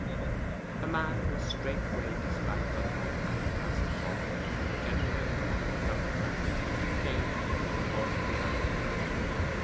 A man was straightway despatched on horseback to Castle Boterel, and the gentleman known as Dr. Granson came in the course of the afternoon.